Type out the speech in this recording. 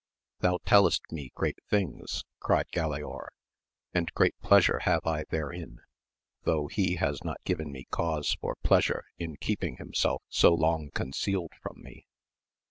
Thou tellest me great things, cried G alaor, and great pleasure have I therein, though he has not given me cause for pleasure in keeping himself so long concealed from me.